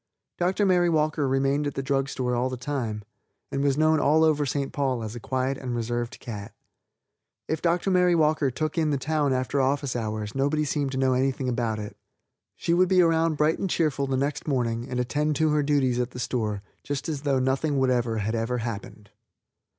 Dr. Mary Walker remained at the drug store all the time, and was known all over St. Paul as a quiet and reserved cat. If Dr. Mary Walker took in the town after office hours nobody seemed to know anything about it. She would be around bright and cheerful the next morning, and attend to her duties at the store just as though nothing whatever had ever happened.